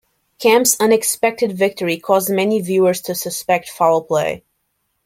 Camp's unexpected victory caused many viewers to suspect foul play.